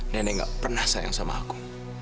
nenek gak pernah sayang sama aku